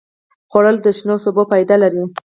خوړل د شنو سبو فایده لري